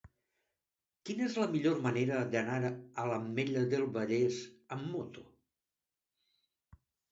Quina és la millor manera d'anar a l'Ametlla del Vallès amb moto?